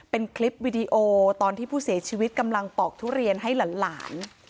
เป็นคลิปวิดีโอตอนที่ผู้เสียชีวิตกำลังปอกทุเรียนให้หลาน